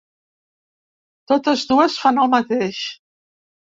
Totes dues fan el mateix.